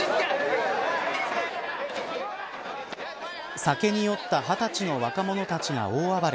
酒に酔った二十歳の若者たちが大暴れ。